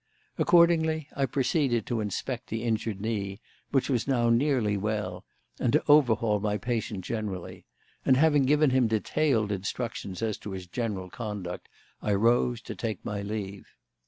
Accordingly I proceeded to inspect the injured knee, which was now nearly well, and to overhaul my patient generally; and having given him detailed instructions as to his general conduct, I rose to take my leave.